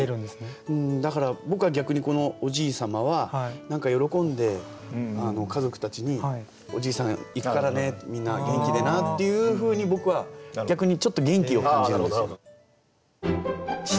だから僕は逆にこのおじい様は喜んで家族たちに「おじいさんいくからねみんな元気でな」っていうふうに僕は逆にちょっと元気を感じるんですよね。